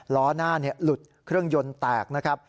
ล้อหน้าหลุดเครื่องยนต์แตกนะครับ